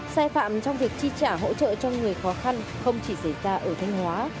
sai phạm trong việc chi trả hỗ trợ cho người khó khăn không chỉ xảy ra ở thanh hóa